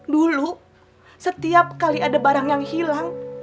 dulu setiap kali ada barang yang hilang